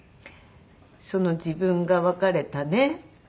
自分が別れたね